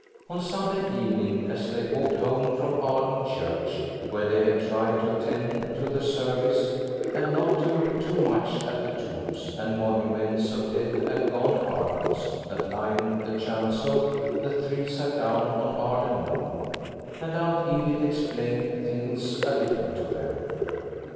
On Sunday evening, as they walked home from Arden Church, where they had tried to attend to the service, and not to look too much at the tombs and monuments of dead and gone Ardens that lined the chancel, the three sat down on Arden Knoll, and Aunt Edith explained things a little to them.